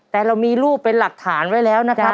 แต่เรามีรูปเป็นหลักฐานไว้แล้วนะครับ